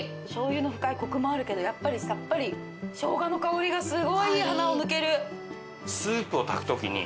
醤油の深いコクもあるけどやっぱりさっぱり生姜の香りがすごいいい鼻を抜ける。